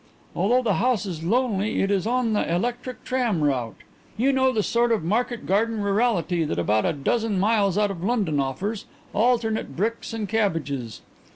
Although the house is lonely it is on the electric tram route. You know the sort of market garden rurality that about a dozen miles out of London offers alternate bricks and cabbages.